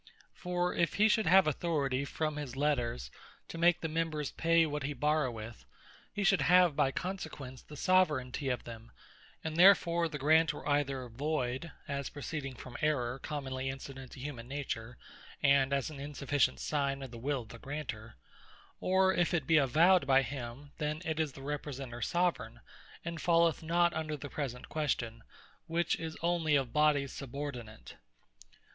For if he should have Authority from his Letters, to make the members pay what he borroweth, he should have by consequence the Soveraignty of them; and therefore the grant were either voyd, as proceeding from Errour, commonly incident to humane Nature, and an unsufficient signe of the will of the Granter; or if it be avowed by him, then is the Representer Soveraign, and falleth not under the present question, which is onely of Bodies subordinate.